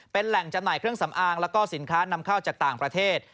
เป็นแหล่งจำหน่ายเครื่องสำอางแล้วก็สินค้านำเข้าจากต่างประเทศ